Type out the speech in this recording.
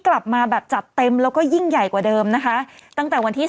กลับมาแบบจัดเต็มแล้วก็ยิ่งใหญ่กว่าเดิมนะคะตั้งแต่วันที่๓